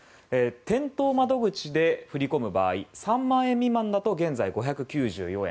店頭窓口で振り込む場合３万円未満だと現在、５９４円。